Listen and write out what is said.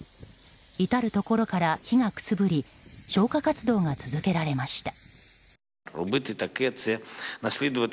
至るところから火がくすぶり消火活動が続けられました。